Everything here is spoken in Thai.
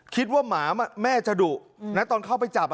คิดว่าหมาแม่จะดุตอนเข้าไปจับ